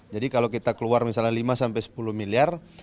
jadi kalau kita keluar misalnya lima sampai sepuluh miliar